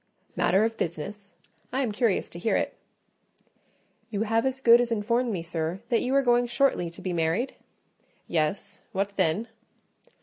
"Matter of business? I am curious to hear it." "You have as good as informed me, sir, that you are going shortly to be married?" "Yes; what then?"